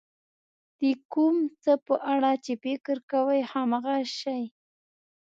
د کوم څه په اړه چې فکر کوئ هماغه شی.